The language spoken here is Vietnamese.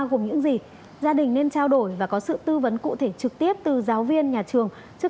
gồm những gì gia đình nên trao đổi và có sự tư vấn cụ thể trực tiếp từ giáo viên nhà trường trước